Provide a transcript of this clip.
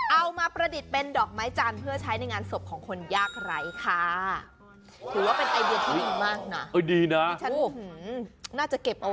เอามาประดิษฐ์เป็นดอกไม้จันทร์เพื่อใช้ในงานศพของคนยากไร้ค่ะ